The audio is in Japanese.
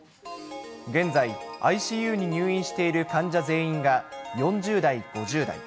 現在、ＩＣＵに入院している患者全員が４０代、５０代。